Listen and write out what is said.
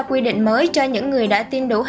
quy định mới cho những người đã tiêm đủ